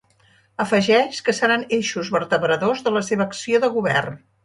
Afegeix que seran eixos vertebradors de la seva acció de govern.